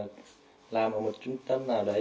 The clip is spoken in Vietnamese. nếu mà mình làm ở một trung tâm nào đấy